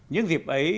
những dịp ấy